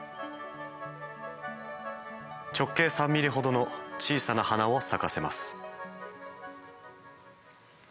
直径３ミリほどの小さな花を咲かせます。